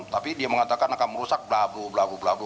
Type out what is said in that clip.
tapi dia mengatakan akan merusak belabu labu belabu